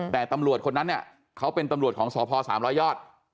แต่ตำรวจคนนั้นเขาเป็นตำรวจของสพสามร้อยยอด